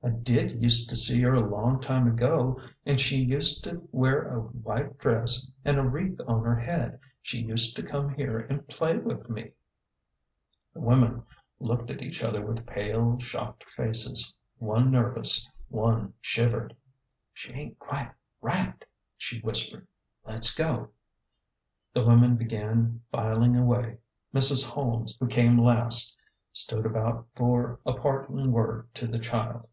" I did use to see her a long time ago, an' she used to wear a white dress, an' a wreath on her head. She used to come here an' play with me." The women looked at each other with pale, shocked faces ; one nervous ; one shivered. " She ain't quite right," she whispered. "Let's go." The women began filing away. Mrs. Holmes, who came last, stood about for a part ing word to the child.